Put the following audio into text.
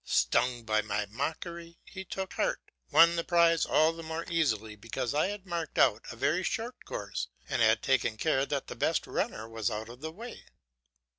Stung by my mockery, he took heart, won the prize, all the more easily because I had marked out a very short course and taken care that the best runner was out of the way.